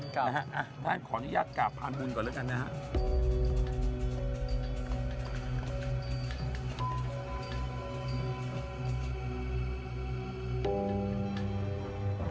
ท่านขออนุญาตกราบพานบุญก่อนแล้วกันนะครับ